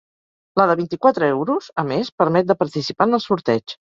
La de vint-i-quatre euros, a més, permet de participar en el sorteig.